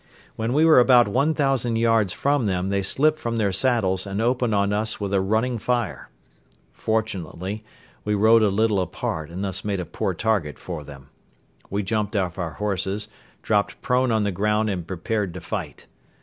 When we were about one thousand yards from them, they slipped from their saddles and opened on us with a running fire. Fortunately we rode a little apart and thus made a poor target for them. We jumped off our horses, dropped prone on the ground and prepared to fight.